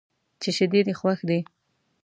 چې شیدې دې خوښ دي.